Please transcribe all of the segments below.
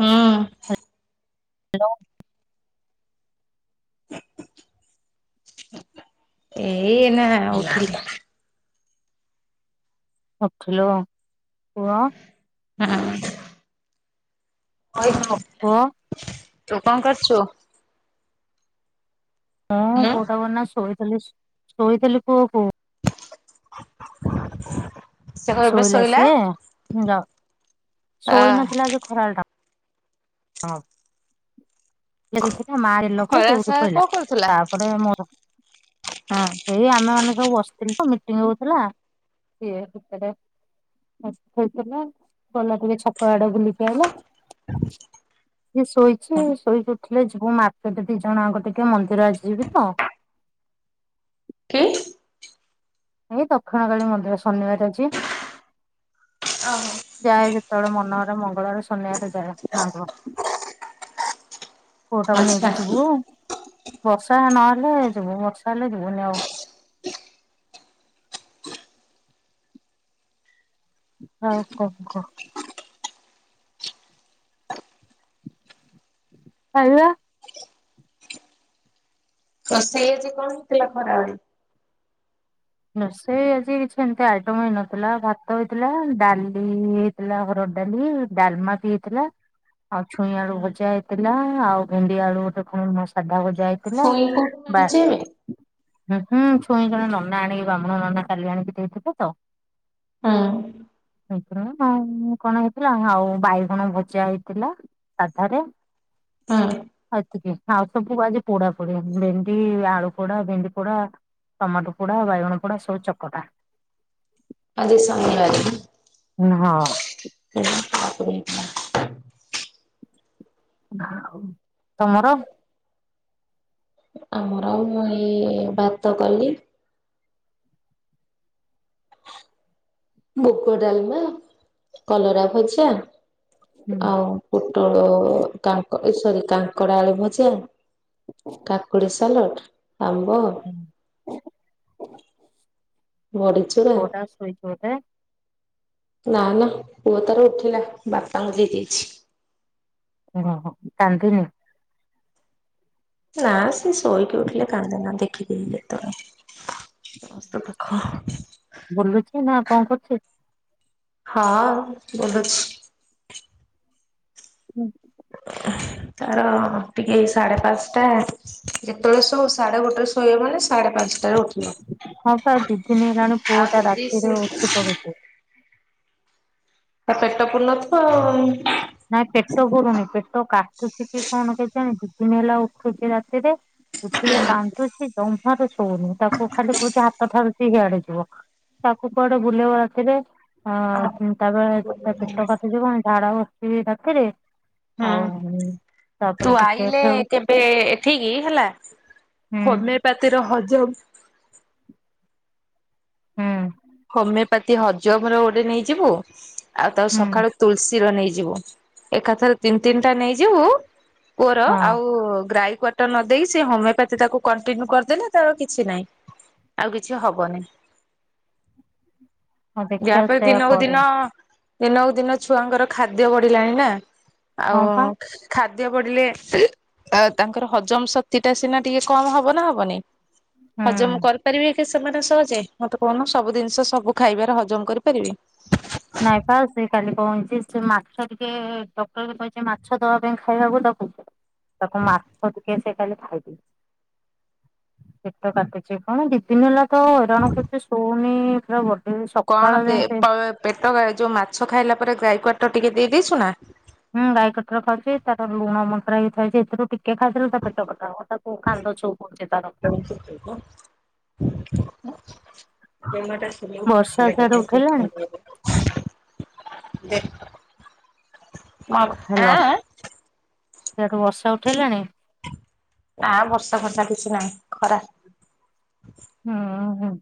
ହଁ। ହ୍ୟାଲୋ। ଏ ଏଇନା ଉଠିଲି। ଉଠିଲୁଣୁ କୁହ? [unintelligible] ପୁଅ? ତୁ କଣ କରୁଚୁ? ମୁଁ ପୁଆଟାକୁ ଏଇନା ଶୋଇଥିଲି ଶୋଇଥିଲି ପୁଅକୁ। [inaudible] ଶୋଇଲା ସିଏ ଯଅ ଶୋଇ ନଥିଲା ଆଜି ଖାରବେଳ ଟା ହ। ଥିଲା ମା ଖରା ସାରା [unintelligible] କଣ କରୁଥିଲା? ତାପରେ ମୋର ହଁ ହେଇ ଆମେ ମାନେ ସବୁ ବସିଥିଲୁ ମିଟିଙ୍ଗ ହଉଥିଲା ସିଏ ଭିତରେ ମସ୍ତ ଶୋଇଥିଲା ଗଲା ଟିକେ ଛକ ଆଡେ ବୁଲି କି ଆଇଲା। ସିଏ ଶୋଇଛି ଶୋଇ କି ଉଠିଲେ ଯିବୁ ମାର୍କେଟ ଦି ଜଣ ଆଙ୍କ ଟିକେ ମନ୍ଦିର ଆଜି ଯିବି ତ। କି? ଏ ଦକ୍ଷିଣକାଳୀ ମନ୍ଦିର ଶନିବାର ଆଜି। ଯାଏ ଯେତେବେଳେ ମନ ହେଲେ ମଙ୍ଗଳବାର ଶନିବାରେ ଯାଏ ମାଁ ଙ୍କୁ ପୁଅଟାକୁ ଆଚ୍ଛା ନେଇକି ଯିବୁ ବର୍ଷା ନହେଲେ ଯିବୁ ବର୍ଷା ହେଲେ ଯିବୁନି ଆଉ। ଆଉ କଣ କହ? ଖାଇବା। ରୋଷେଇ ଆଜି କଣ ହେଇଥିଲା ଖରାବେଳେ? ରୋଷେଇ ଆଜି କିଛି ଏମିତି ଆଇଟମ ହେଇନଥିଲା ଭାତ ହେଇଥିଲା ଡାଲି ଇ ହେଇଥିଲା ହରଡ଼ ଡାଲି ଡ଼ାଲମା ବି ହେଇଥିଲା। ଆଉ ଛୁଇଁ ଆଳୁ ହୁଁ। ଭଜା ହେଇଥିଲା ଆଉ ଭେଣ୍ଡି ଆଳୁ ଗୋଟେ କଣ ମ ସାଧା ଭଜା ହେଇ ଥିଲା ଛୁଇଁ କୋଉଠୁ ବା ମିଳୁଛି ଏବେ? ହୁଁ ହୁଁ ଛୁଇଁ ଜଣେ ନନା ଆଣିକି ବାହ୍ମୁଣ ନନା କାଲି ଆଣିକି ଦେଇଥିଲେ ତ। ହୁଁ। ତାଙ୍କର ଆଉ କଣ ହେଇଥିଲା ଆଉ ବାଇଗଣ ଭଜା ହେଇଥିଲା। ସାଧରେ। ହୁଁ। ଏତିକି ଆଉ ସବୁ ଆଜି ପୋଡା ପୋଡି ଭେଣ୍ଡି ଆଳୁ ପୋଡା ଭେଣ୍ଡି ପୋଡା। ଟମାଟୁ ପୋଡା ବାଇଗଣ ପୋଡା ସବୁ ଚକଟା। ଆଜି ଶନିବାର ବି। ଉଁ ହଁ ହଁ [unintelligible] [unintelligible] ଆଉ ତମର? ଆମର ଆଉ ମୁଁ ଏଇ ଭାତ କଲି। ମୁଗ ଡ଼ାଲମା କଲରା ଭଜା ଆଉ ପୋଟଳ କାଙ୍କ ଏ ସରି କାଙ୍କଡ, ଆଳୁ ଭଜା। କାକୁଡି ସାଲଟ୍ ଆମ୍ବ [inaudible] ଭଡି ଚୁରା। ପୁଅଟା ଶୋଇଛି ବୋଧେ ନା ନା ପୁଅ ତାର ଉଠିଲା ବାପାଙ୍କୁ ଦେଇ ଦେଇଛି। ଓହୋ କାନ୍ଧିନି? ନା ସେ ଶୋଇକି ଉଠିଲେ କାନ୍ଦେ ନା ଦେଖିକିନି କେତେବେଳେ। ସମସ୍ତ ଦୁଖଃ ବୁଲୁଛି ନା କଣ କରୁଚି? ହଁ ଅଁ ବୁଲୁଛି। ହୁଁ। ତାର ଟିକେ ସାଢେ ପାଞ୍ଚଟା ଯେତେବେଳେ ଶୋଉ ସାଢ଼େ ଗୋଟେରେ ଶୋଇବା ମାନେ ସାଢେ ପାଞ୍ଚଟ ଟାରେ ଉଠ ହଁ ପା ଦି ଦିନି ହେଲାଣି ପୁଅ ଆଉ ଟା ଯଦି ସେ ରାତିରେ ଉଠି ପଡୁଚି। ତା ପେଟ ପୁରିନଥିବ ଆଉ। ନାଇଁ ପେଟ ଭୁରୁୁନି ପେଟ କାଟୁଚି କି କଣ କେ ଜାଣି ଦି ଦିନ ହେଲା ଉଠୁଚି ରାତିରେ ଉଠିକି କାନ୍ଦୁଚି ଜମ୍ଭାରୁ ଶଉନି ତାକୁ ଖାଲି କହୁଛି ହା ତ ଠାରୁଚି ହିଆଡେ ଯିବ ତାକୁ କୁଆଡେ ବୁଲେଇବ ରାତିରେ ଆଉ ହିଁ ତାପରେ ହୁଁ ତା ପେଟ କାଟଛି କଣ ଝାଡା ବସିବି ରାତିରେ ଆଉ ତୁ ତାପରେ ଟିକେ ଆଇଲେ ଖେଳୁ କେବେ ହୁଁ। ପାତିର ହଜମ୍ ହୁଁ। ହୋମିଓପାତୀ ହଜମ୍ ର ଗୋଟେ ନେଇଯିବୁ ଆଉ ତା ହୁଁ ସଖାଳୁ ତୁଳସୀର ନେଇଯିବୁ ଏକାଥରେ ତିନ୍ ତିନ୍ ଟା ନେଇଯିବୁ ପୁଅର ହଁ ଆଉ ଗ୍ରାଈ [unintelligible] ଟ ନ ଦେଇେ ସେ ହୋମିଓପାଥି ତାକୁ କଣ୍ଟିନ୍ୟୁ କରିଦେଲେ ତାର କିଛି ନାହିଁ ଆଉ କିଛି ହବନି। ହଁ ଦେଖିବା ବ୍ୟାପ ଇ ସେଇୟା ଦିନକୁ କରେ ଦିନ ଦିନକୁ ଦିନ ଛୁଆଙ୍କର ଖାଦ୍ୟ ବଢିଲାଣି ନା ହଁ ଆଉ ପା ଖାଦ୍ୟ ପଡିଲେ ତାଙ୍କର ହଜମ ଶକ୍ତି ଟା ସିନା ଟିକେ କମ୍ ହବ ନା ହବନି? ହଜମ୍ ହୁଁ କରିପାରିବେ ଏକା ସେମାନେ ସହଜେ ମତେ କୁ କନ ସବୁ ଜିନିଷ ସବୁ ଖାଇବାରେ ହଜମ କରିପାରିବି? ନାଇଁ ପା ସେ କାଲି କଁ ହେଇଚି ସେ ମାଛ ଟିକେ ଡକ୍ଟର କହିଚି ମାଛ ଦବା ପାଇଁ ଖାଇବାକୁ ତାକୁ। ତାକୁ ମାଛ ଟିକେ ସେ ଖାଲି ଖାଇଚି। ପେଟ କାଟୁଛି କଣ ଦି ଦିନ ହେଲା ତ ହଇରାଣ କରୁଛି ଶୋଉନି ପୁରା ବ କଣ ଦେ ପେଟ ଯୋଉ ମାଛ ଖାଇଲା ପରେ ଗାଈ କଆଟ ଟିକେ ଦେଇ ଦେଇଦେଇଛୁ ନା? ହୁଁ ଗାଈ କଟର ଖାଉଚି ତା ଲୁଣ ମନ୍ତରା ହେଇକି ଥୁଆହେଇଚି ସେଥିରୁ ଟିକେ ଖଇଦେଲେ ତା ପେଟ କଟା ହବ ତା ବୋଉ [unintelligible] ତାର। [unintelligible] ବର୍ଷା ସିଆଡେ ଉଠେଇଲାଣି [unintelligible] ଆଁ? ସେଠୁ ବର୍ଷା ଉଠେଇଲାଣି? ନା ବର୍ଷା ଫର୍ଷା କିଛି ନାହିଁ ଖରା। ହୁଁ ହୁଁ।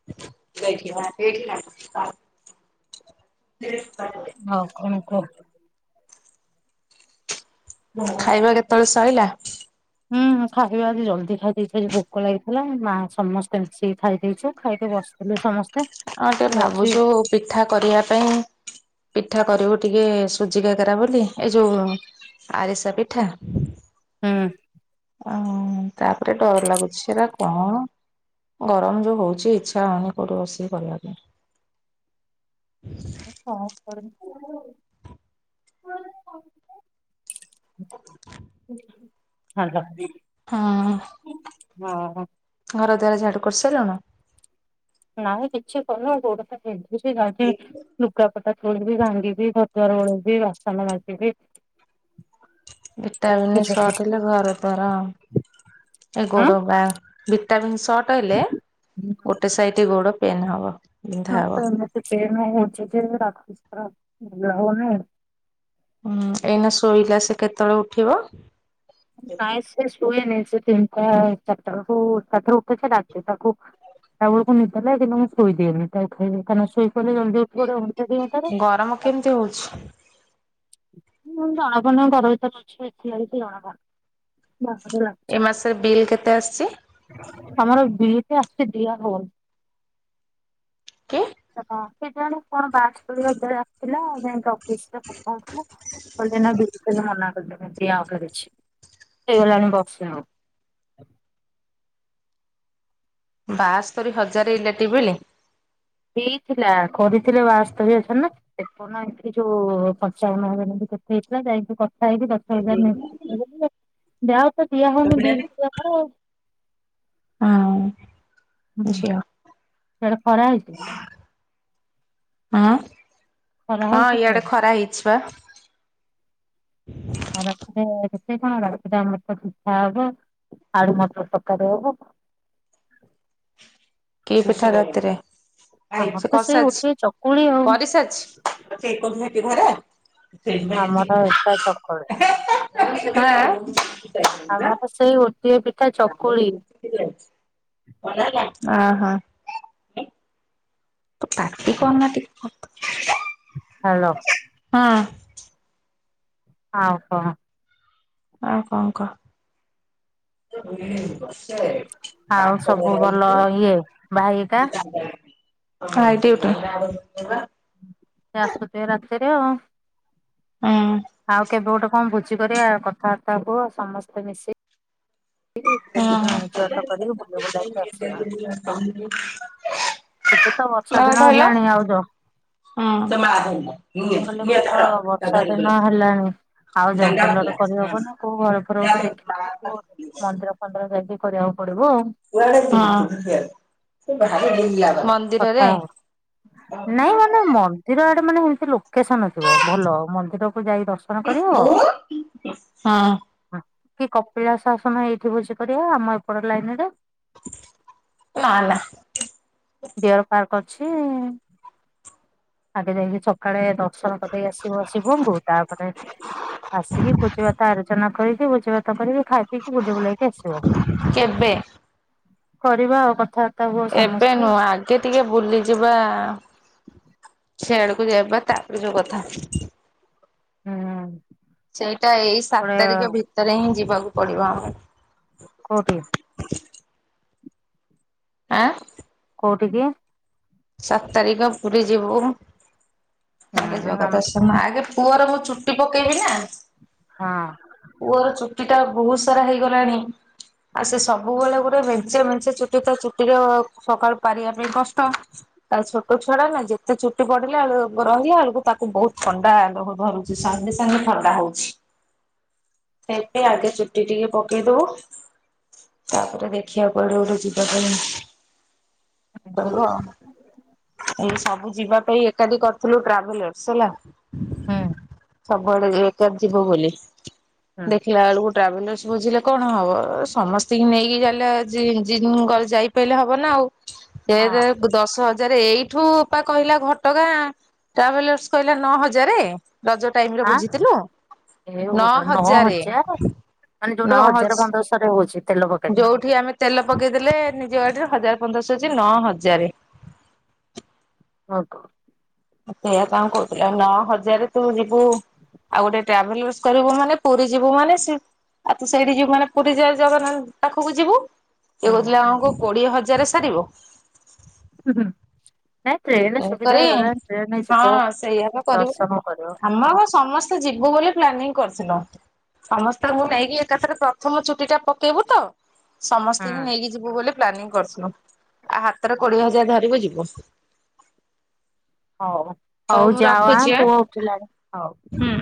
[inaudible] ହଉ କଣ କୁହ? ଖାଇବା କେତେବେଳେ ସଇଲା? ହୁଁ ଖାଇବା ଆଜି ଜଲ୍ଦି ଖାଇ ଦେଇେଇ ଆଜି ଭୋକ ଲାଗିଥିଲା ମା ସମସ୍ତେ ମିଶିକି ଖାଇ ଦେଇେଇଛୁ ଖାଇକ ବସ ଏବେ ସମସ୍ତେ ଆଉ ଟିକେ ଯାଉଛି ଭାବୁଛୁ ପିଠା କରିବା ପାଇଁ ପିଠା କରିବୁ ଟିକେ ସୁଜିକାକରା ବୋଲି ଏଇ ଯୋଉ ଆରିସା ପିଠା ହୁଁ। ଓ ତାପରେ ଡର ଲାଗୁଛି ସେରା କଣ? ଗରମ ଯୋଉ ହଉଛି ଇଚ୍ଛା ହଉନି କୋଉଠି ବସିକି କରିବା ପାଇଁ [unintelligible] ହାଲୋ। ହଁ। ହଁ ହଁ। ଘର ଦ୍ୱାର ଝାଡୁ କରିସାରିଲୁଣୁ? ନାଇଁ କିଛି କରିନୁ ଗୋଡ଼ ଟା ବିନ୍ଧୁଛି ଯାଇକି ଲୁଗାପଟା ତୋଳିବି ଭାଙ୍ଗିବି ଘରଦୁଆାର ଓଳେଇବି ବାସନ ମାଜିବି ଇଟାଲିନ ସର୍ଟ ହେଲେ ଘର ଦ୍ଵାରା ଆଉ ଏ ଗୋଡ ବା ଭିଟାମିନ୍ ସଟ ହେଲେ ଆଁ ଗୋଟେ ସାଇଟି ଗୋଡ ପେନ୍ ହବ। ବିନ୍ଧା ହଁ ହବ। ପା ମତେ ପେନ୍ ହଉଚି ଯେ ରାତି ସାରା ନିଦ ହଉନି। ହୁଁ ଏଇନା ଶୋଇଲା ସେ କେତେବେଳେ ଉଠିବ? ନାଇ ସେ ଶୁଏନି ସେ ତିନିଟା ଚାରିଟା ଆଳକୁ ଏକାଥରେ ଉଠେ ସେ ରାତି ଟାକୁ ଟା ବେଳକୁ ନିଦ ଲାଗେ କିନ୍ତୁ ମୁଁ ଶୋଇଦିଏନି ତାକୁ ଖାଇ [unintelligible] ଜଲ୍ଦୀ ଉଠି ପଡିବ। ସେ ଦି ଘଣ୍ଟାରେ ଗରମ କେମିତି ହଉଛି? ମୁଁ ଜଣକା ଘର ଭିତରେ ଦେଖିଲା ଆଳକୁ ଜଣକା। ବାହାର ଏ ମାସରେ ବିଲ୍ କେତେ ଆସିଛି [unintelligible] ଆମର ବିଟି ଆସୁଚି ଦିଆ ହଉନି। କି? ସ କେଜାଣି କଣ ବାସ୍ତୁରି ହଜାର ଆସିଥିଲା କାଇଁ ତ ପଇସା କଟା ହଉଥିଲା କହିଲେ ନା [unintelligible] ହେଇଗଲାଣି ବର୍ଷେ ହବ ବାସ୍ତୁରି ହଜାରେ ଇଲେକ୍ଟ୍ରି ବିଲି? ହେଇଥିଲା କରିଥିଲେ ବସ୍ତୁରି ହଜାର ନା କେତେ କଣ ଏଠି ଯୋଉ ପଞ୍ଚାବନ ହଜାର ଏମିତି କେତେ ହେଇଥିଲା ଯାଇକି କଥା ହେଇକି ଦଶ ହଜାର ନା କେ [unintelligible] ଯାହା ହଉ ତ ବିଲି ଦିଆ ତାଙ୍କର ଆଁ। ହୁଁ ସିଆଡେ ଖରା ହେଇଚି? ଆଁ ଖରା ହଁ ହଉଛି ଇଆଡେ ସିଆଡେ। ଖରା ହେଇଚି ବା। ଆଉ ରାତିରେ କେତେ କଣ ରାତିରେ ଆମର ତ ପିଠା ହବ ଆଳୁ ମଟର ତରକାରି ହବ କି ପିଠା ରାତିରେ ଆମର ସେ ତ ସେଇ କରସାରଛି ଗୋଟିଏ ଚକୁଳି ଆଉ କରିସାରଛି କରିସାରିଛି। ଆମର ଏକା ଚକୁଳି। [unintelligible] [unintelligible] ଆମର ସେଇ ଗୋଟିଏ ପି ଆ ହଁ। ପାଟି କରନା ଟି ହ୍ୟାଲୋ। ହଁ। ଆଉ କଣ? ଆଉ କଣ କହ? [unintelligible] ଆଉ ସବୁ ଭଲ ଇଏ ଭାଇ ହେକା ଭାଇ ଡିଉଟି। ସେ ଆସୁଥିବେ ରାତିରେ ଆଉ। ହଁ। ଆଉ କେବେ ଗୋଟେ କଣ ଭୋଜି କରିଆ କଥାବାର୍ତ୍ତା ହୁଅ ସମସ୍ତେ ମିଶି କି ଭୋଜି ଭାତ କରିକି ବୁଲିବୁଲା କି ଆସିବା। ଏବେ ତ ବର୍ଷା ଧର ଦିନ ଧଇଲ। ହେଲାଣି ଆଉ ଯ ମୁଁ କହିଲି ଏବେ ତ ବର୍ଷା ହୁଁ। ଦିନ ହେଲାଣି। ଆଉ ଜଙ୍ଗଲରେ କରିହବନା କୋଉ ଘର ଫର ଗୋଟେ ଦେଖୀକି [unintelligible] [unintelligible] ଯାଇକି କରିବାକୁ ପଡ଼ିବ ଆଉ। ହଁ ମନ୍ଦ୍ କଥା ହୁଅ। ନା ମନ୍ଦିର ଆଡ଼େ ମାନେ ସେମିତି ଲୋକେସନ ଥିବ ଭଲ ମନ୍ଦିର କୁ ଯାଇ ଦର୍ଶନ କରିବ। ହଁ କି କପିଳାସ ଆସୁନ ଏଇଠି ଭୋଜି କରିଆ ଆମ ଏପଟ ଲାଇନ ରେ। ନାଁ ନାଁ। ଡିଅର ପାର୍କ ଅଛି। ଆଗେ ଯାଇକି ଚକାଳେ ଦର୍ଶନ କରିଦେଇକି ଆସିବ ଶିବଙ୍କୁ ତାପରେ ଆସିକି ଭୋଜି ଭାତ ଆରୋଜନ କରିକି ଭୋଜି ଭାତ କରିକି ଖାଇ ରିକି ବୁଲିବୁଲାକି ଆସିବ କେବେ? କରିବା ଆଉ କଥା ତା ହୁଅ ସମସ୍ତେ। ଟିକେ ଟିକେ ବୁଲିଯିବା ସେଆଡ଼କୁ ଯବା ତାପରେ ଯୋଉ କଥା। ହୁଁ। ସେଇଟା ଏଇ ଗୋଟେ ସାତ ତାରିଖ ଭିତରେ ହିଁ ଯିବାକୁ ପଡ଼ିବ ଆମକୁ। କୋଉଠି? ଆଁ? କୋଉଠିକି? ସାତ ତାରିଖ ପୁରୀ ଯିବୁ। ହୁଁ ଆଗେ ଆମ ଜଗାଦର୍ଶନ ଆଗେ ପୁଅର ମୁଁ ଚୁଟି ପକେଇବି ନା। ହଁ ପୁଅର ଚୁଟି ଟା ବହୁତ ସାରା ହେଇଗଲାଣି। ଆଉ ସେ ସବୁବେଳେ ଗୋଟେ ମେଞ୍ଚେ ମେଞ୍ଚେ ଚୁଟି ତ ଚୁଟିର ସକାଳୁ ପରିବା ପାଇଁ କଷ୍ଟ। ତାରେ ଛୋଟ ଛୁଆଟା ନା ଯେତେ ଚୁଟି ବଢ଼ିଲା ବେଳୁକୁ ବଡ଼ ହେଲା ବେଳକୁ ତାକୁ ବହୁତ ଥଣ୍ଡା ଦୋହ ଧରୁ ସାଙ୍ଗେ ସାଙ୍ଗେ ଥଣ୍ଡା ହଉଛି। ସେଇଥି ପାଇଁ ଆଗେ ଚୁଟି ଟିକେ ପକେଇ ଦବୁ ତାପରେ ଦେଖିବା କୁଆଡ଼େ ଗୋଟେ ଯିବା ପାଇଁ ପଡ଼ିବ ଆଉ। ଏଇ ସବୁ ଯିବା ପାଇଁ ଏକାଠି କରିଥିଲୁ ଟ୍ରାଭେଲର୍ସ ହେଲା ହୁଁ। ସବୁଆଡ଼େ ଏକ ଯିବୁ ବୋଲି ହୁଁ ଦେଖିଲା ବେଳକୁ ଟ୍ରାଭେଲର୍ସ ବୁଝିଲେ କଣ ହବ ସମସ୍ତଙ୍କୁ ନେଇକି ଗଲେ [unintelligible] ଯାଇପାରିଲେ ହବ ନା ଆଉ। ହଁ [unintelligible] ଦଶ ହଜାର ଏଇଠୁ ପା କହିଲା ଘଟଗାଁ ଟ୍ରାଭେଲର୍ସ କହିଲା ନଅ ହଜାରେ। ରଜ ଟାଇମିରେ ଆଁ ବୁଝିଥିଲ ଏ ନଅ ହଜାରେ। ମାନେ ଯୋଉଟା ନଅ ହଜ ହଜାର ପନ୍ଦରଶହ ରେ ହଉଛି ତେଲ ପକେଇଲେ। ଯୋଉଠି ଆମେ ତେଲ ପକେଇଦେଲେ ନିଜ ଗାଡିରେ ହଜାର ପନ୍ଦରଶହ ଅଛି ନଅ ହଜାରେ। ଅ କହ। ସେଇୟଆ କଣ କହୁଥିଲେ ଆଉ ନଅ ହଜାରେ ତୁ ଯିବୁ ଆଉ ଗୋଟେ ଟ୍ରାଭେଲର୍ କରିବୁ ମାନେ ପୁରୀ ଯିବୁ ମାନେ ସେ ଆଉ ତୁ ସେଇଠି ଯିବୁ ମାନେ ପୁରୀ ଯ ଜଗନ୍ନାଥ ପାଖକୁ ଯିବୁ। ଏ କହୁଥିଲେ ହୁଁ ଆମକୁ କୋଡିଏ ହଜାର ସାରିବ। ଉଁ ହୁଁ। ନାଇଁ ଟ୍ରେନରେ ସୁବିଧା ତେଣୁକରି ହେଇଗଲା ଟ୍ରେନରେ ଯିବ ହଁ ସେଇଆ ଦର୍ଶମ କରିବ। ତୁ ଯିବୁ ବୋଲି ପ୍ଲାନିଂ କରିଥିଲ। ସମସ୍ତଙ୍କୁ ନେଇକି ଏକାଥରେ ପ୍ରଥମ ଚୁଟି ଟା ପକେଇବୁ ତ। ହୁଁ ସମସ୍ତତିଙ୍କୁ ନେଇକି ଯିବୁ ବୋଲି ପ୍ଲାନିଂ କରୁଥିଲୁ ଆ ହାତରେ କୋଡିଏ ହଜାର ଧରିବୁ ଯିବୁ। ହଉ ହଉ ଯାଅ ଆଁ ପୁଅ ଉଠିଲାଣି ହଉ। ହୁଁ।